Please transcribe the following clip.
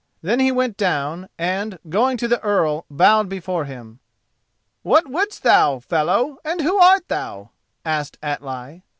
Then he went down, and, going to the Earl, bowed before him: "What wouldst thou, fellow, and who art thou?" asked Atli.